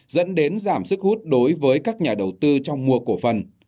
dẫn đến giảm sức hút đối với các nhà đầu tư trong mùa cổ phân